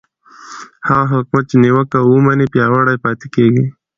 هغه حکومت چې نیوکه ومني پیاوړی پاتې کېږي